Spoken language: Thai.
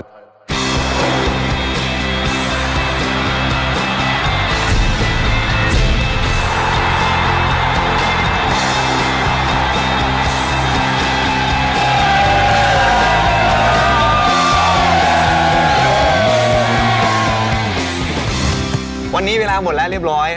วันนี้เวลาหมดแล้วเรียบร้อย